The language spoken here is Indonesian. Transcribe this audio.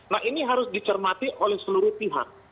nah ini harus dicermati oleh seluruh pihak